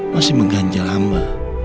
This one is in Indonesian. masih mengganjal hamba